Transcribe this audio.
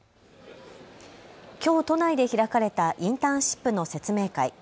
きょう都内で開かれたインターンシップの説明会。